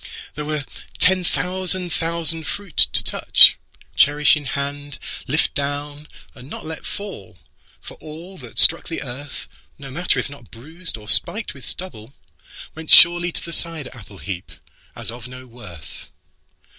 There were ten thousand thousand fruit to touch, Cherish in hand, lift down, and not let fall. For allThat struck the earth, No matter if not bruised or spiked with stubble, Went surely to the cider apple heapAs of no worth.